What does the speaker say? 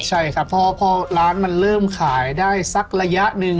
ใช่ครับเพราะร้านมันเริ่มขายได้สักระยะหนึ่ง